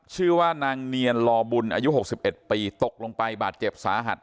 ชื่อว่านางเนียนลอบุญอายุ๖๑ปีตกลงไปบาดเจ็บสาหัส